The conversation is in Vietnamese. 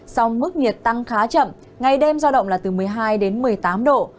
song mức nhiệt tăng khá chậm ngày đêm giao động là từ một mươi hai đến một mươi tám độ